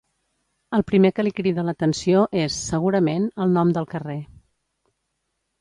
El primer que li crida l’atenció és, segurament, el nom del carrer.